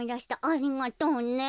ありがとうね。